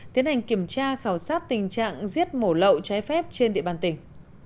tiến hành kiểm tra khảo sát tình trạng giết mổ lậu trái phép trên địa bàn tỉnh